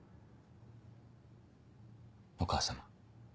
お母様。